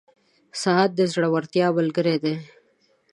• ساعت د زړورتیا ملګری دی.